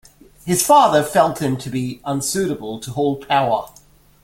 His father felt him to be unsuitable to hold power.